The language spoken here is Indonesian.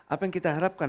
apa yang kita harapkan